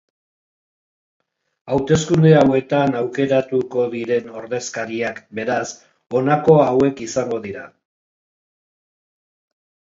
Hauteskunde hauetan aukeratuko diren ordezkariak, beraz, honako hauek izango dira.